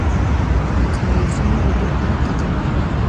د کاریزونو اوبه پاکې دي